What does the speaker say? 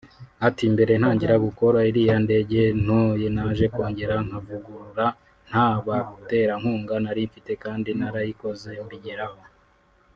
Ati “Mbere ntangira gukora iriya ndege nto naje kongera nkavugurura nta baterankunga nari mfite kandi narayikoze mbigeraho